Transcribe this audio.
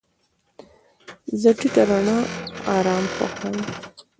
زه د ټیټه رڼا آرام خوښوم.